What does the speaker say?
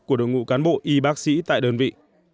của đội ngũ cán bộ y bác sĩ tại đơn vị